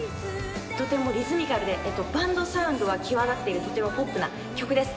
とてもリズミカルで、バンドサウンドが際立ってる、とてもポップな曲です。